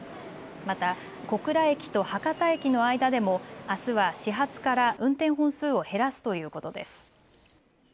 また小倉駅と博多駅の間でもあすは始発から運転本数を減らすということです。